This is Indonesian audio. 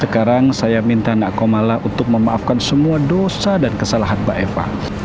sekarang saya minta nak komala untuk memaafkan semua dosa dan kesalahan mbak eva